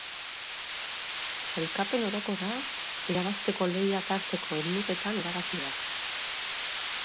Sailkapen orokorra irabazteko lehia tarteko helmugetan erabaki da.